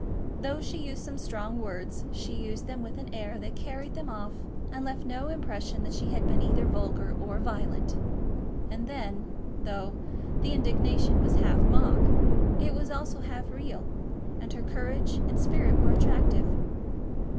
Though she used some strong words, she used them with an air that carried them off and left no impression that she had been either vulgar or violent. And then, though the indignation was half mock, it was also half real, and her courage and spirit were attractive.